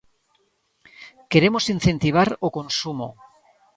Queremos incentivar o consumo.